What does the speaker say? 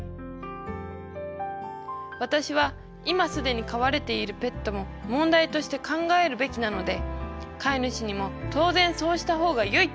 「私はいますでに飼われているペットも問題として考えるべきなので飼い主にも当然そうしたほうがよいと考える。